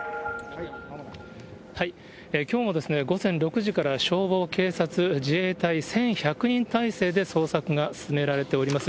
きょうも午前６時から消防、警察、自衛隊、１１００人態勢で捜索が進められております。